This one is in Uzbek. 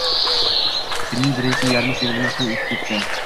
Kunning birinchi yarmi sezilmasdan o`tib ketdi